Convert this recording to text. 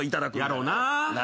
やろうなぁ。